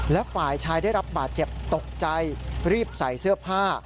และฝ่ายชายได้รับบาดเจ็บตกใจรีบใส่เสื้อผ้า